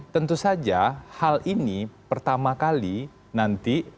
tentu saja hal ini pertama kali nanti